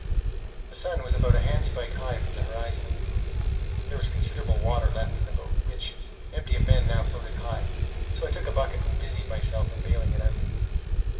The sun was about a handspike high from the horizon. There was considerable water left in the boat, which, empty of men, now floated high; so I took a bucket and busied myself in bailing it out.